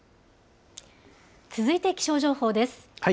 続いて気象情報です。